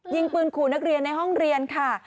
ยิงปืนขู่นักเรียนในห้องเรียนค่ะ